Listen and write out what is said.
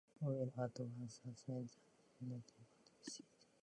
Howell at once assumed the dignity of the County seat.